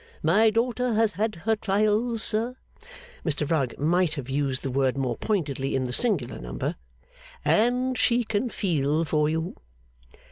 My daughter has had her trials, sir' Mr Rugg might have used the word more pointedly in the singular number 'and she can feel for you.